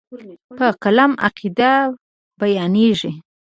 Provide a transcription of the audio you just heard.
په قلم عقاید بیانېږي.